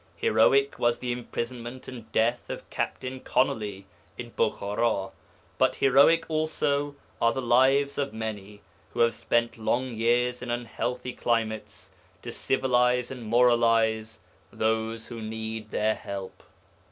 Heroic was the imprisonment and death of Captain Conolly (in Bukhara), but heroic also are the lives of many who have spent long years in unhealthy climates, to civilize and moralize those who need their help.